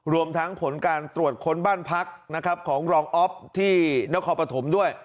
รวมทั้งผลการตรวจค้นบ้านพักนะครับของรองอ๊อฟที่นครปฐมด้วย